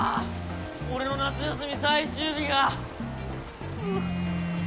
俺の夏休み最終日が！